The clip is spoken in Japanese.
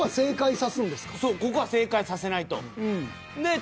そうここは正解させないと。